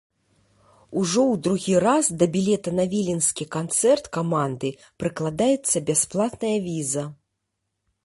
Ужо ў другі раз да білета на віленскі канцэрт каманды прыкладаецца бясплатная віза.